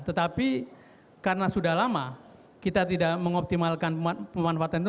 tetapi karena sudah lama kita tidak mengoptimalkan pemanfaatan itu